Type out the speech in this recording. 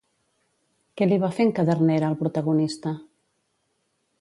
Què li va fer en Cadernera al protagonista?